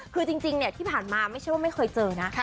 คือจริงที่ผ่านมาไม่ใช่ว่าไม่เคยเจอนะ